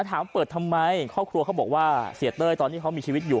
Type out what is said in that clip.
ถามเปิดทำไมครอบครัวเขาบอกว่าเสียเต้ยตอนที่เขามีชีวิตอยู่